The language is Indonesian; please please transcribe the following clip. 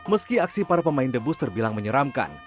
meski aksi para pemain debus terbilang menyeramkan